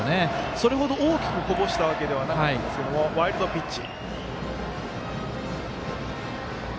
それほど大きくこぼしたわけではなかったんですがワイルドピッチ。